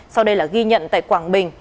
sau đây là ghi nhận tại quảng bình